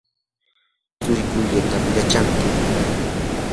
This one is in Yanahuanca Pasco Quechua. tsurikuyllatam yachanki.